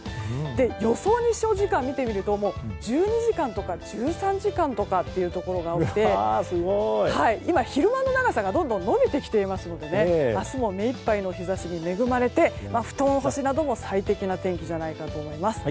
予想日照時間を見てみると１２時間とか１３時間とかというところがあって昼間の長さがどんどん延びてきていますので明日も目いっぱいの日差しに恵まれて布団干しなどに最適な天気じゃないかなと思います。